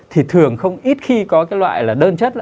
thì thường không ít khi có cái loại là đơn chất